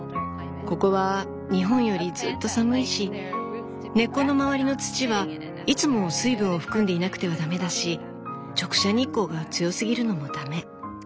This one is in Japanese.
ここは日本よりずっと寒いし根っこの周りの土はいつも水分を含んでいなくては駄目だし直射日光が強すぎるのも駄目。